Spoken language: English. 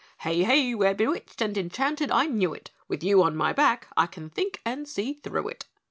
"Hey Hey, we're bewitched and enchanted, I knew it! With you on my back, I can think and see through it!"